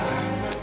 kamu jadi nangis